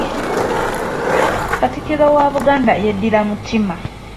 Katikkiro wa Buganda yeddira mutima.